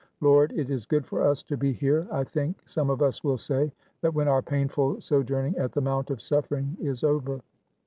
'Lord, it is good for us to be here;' I think some of us will say that when our painful sojourning at the Mount of Suffering is over.